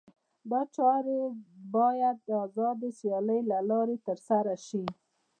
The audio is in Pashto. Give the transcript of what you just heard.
دا چارې باید د آزادې سیالۍ له لارې ترسره شي.